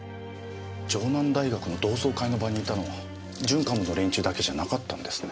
城南大学の同窓会の場にいたのは準幹部の連中だけじゃなかったんですね。